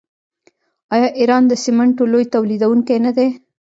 آیا ایران د سمنټو لوی تولیدونکی نه دی؟